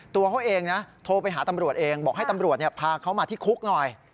ตัวเขาเองนะโทรไปหาตำรวจเองบอกให้ตำรวจพาเขามาที่คุกหน่อย